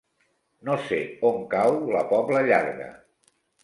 No sé on cau la Pobla Llarga.